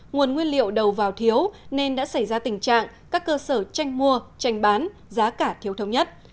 nguồn nguyên liệu đầu vào thiếu nên đã xảy ra tình trạng các cơ sở tranh mua tranh bán giá cả thiếu thống nhất